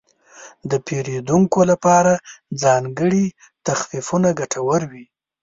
د پیرودونکو لپاره ځانګړي تخفیفونه ګټور وي.